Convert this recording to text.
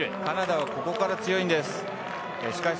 カナダはここから強いんです。